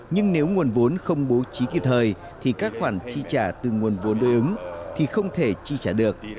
nhưng nếu nguồn vốn không bố trí kịp thời thì các khoản chi trả từ nguồn vốn đối ứng thì không thể chi trả được